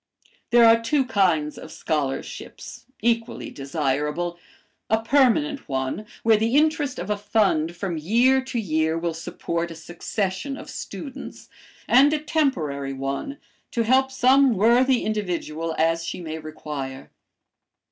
"There are two kinds of scholarships, equally desirable; a permanent one, where the interest of a fund from year to year will support a succession of students, and a temporary one, to help some worthy individual as she may require.